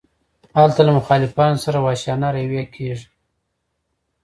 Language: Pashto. هلته له مخالفانو سره وحشیانه رویه کیږي.